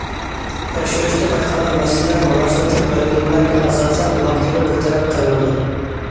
تەكشۈرۈشتە بايقالغان مەسىلىلەر مۇناسىۋەتلىك بەلگىلىمىلەرگە ئاساسەن ۋاقتىدا بىر تەرەپ قىلىنىدۇ.